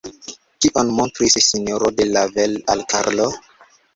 Kion montris S-ro de Lavel al Karlo?